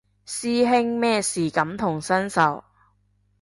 師兄咩事感同身受